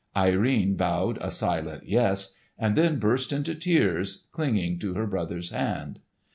Irene bowed a silent "yes" and then burst into tears, clinging to her brother's hand.